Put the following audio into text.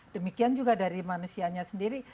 demikian juga dari manusianya sendiri